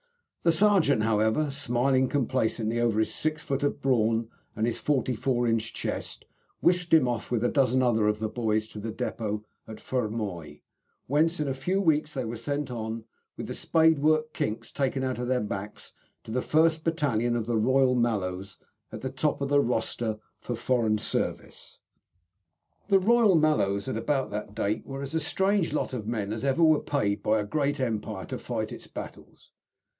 The sergeant, however, smiling complacently over his 6 ft. of brawn and his 44 in. chest, whisked him off with a dozen other of the boys to the depot at Fermoy, whence in a few weeks they were sent on, with the spade work kinks taken out of their backs, to the first battalion of the Royal Mallows, at the top of the roster for foreign service. The Royal Mallows, at about that date, were as strange a lot of men as ever were paid by a great empire to fight its battles.